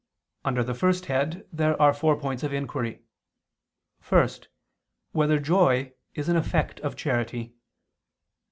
Under the first head there are four points of inquiry: (1) Whether joy is an effect of charity?